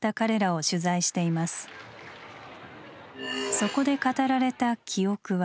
そこで語られた記憶は。